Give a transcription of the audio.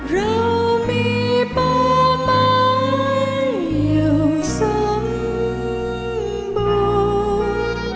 เรามีปไม้อยู่สมบูรณ์